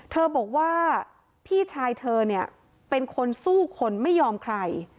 เธอบอกว่าพี่ชายเธอเนี่ยเป็นคนสู้คนไม่ยอมใคร